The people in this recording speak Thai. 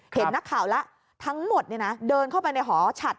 เห็นนักข่าวแล้วทั้งหมดเดินเข้าไปในหอฉัด